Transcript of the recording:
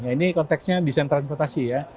ini konteksnya desain transportasi